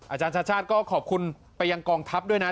อาจารย์ชาติชาติก็ขอบคุณไปยังกองทัพด้วยนะ